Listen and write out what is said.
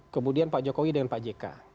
kemudian pak jokowi dengan pak jk